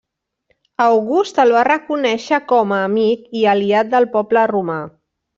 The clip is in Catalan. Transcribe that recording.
August el va reconèixer com a amic i aliat del poble romà.